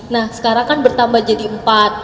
nah sekarang kan bertambah jadi empat